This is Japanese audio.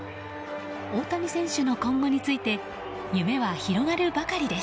大谷選手の今後について夢は広がるばかりです。